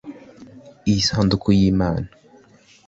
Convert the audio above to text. Iyi sanduku y’Imana